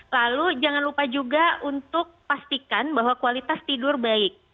lalu jangan lupa juga untuk pastikan bahwa kualitas tidur baik